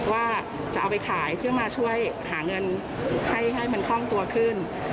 ว่าจะเอาไปขายเพื่อมาช่วยหาเงินให้มันคล่องตัวขึ้น